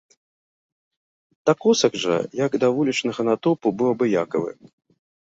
Да косак жа, як да вулічнага натоўпу, быў абыякавы.